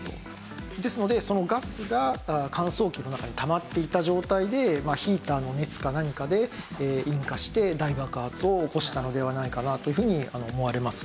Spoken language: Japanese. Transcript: ですのでそのガスが乾燥機の中にたまっていた状態でヒーターの熱か何かで引火して大爆発を起こしたのではないかなというふうに思われます。